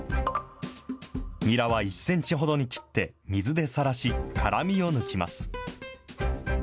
にらは１センチほどに切って水でさらし、辛みを抜きます。